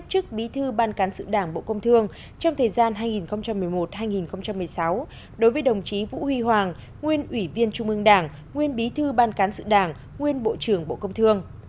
trong thời gian hai nghìn một mươi một hai nghìn một mươi sáu đối với đồng chí vũ huy hoàng nguyên ủy viên trung ương đảng nguyên bí thư ban cán sự đảng nguyên bộ trưởng bộ công thương